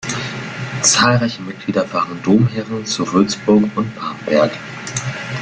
Zahlreiche Mitglieder waren Domherren zu Würzburg und Bamberg.